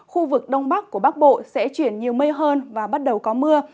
khu vực đông bắc của bắc bộ sẽ chuyển nhiều mây hơn và bắt đầu có mưa